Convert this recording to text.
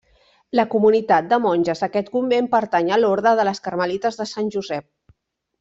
La comunitat de monges d'aquest convent pertany a l'Orde de les Carmelites de Sant Josep.